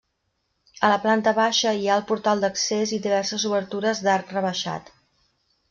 A la planta baixa hi ha el portal d'accés i diverses obertures d'arc rebaixat.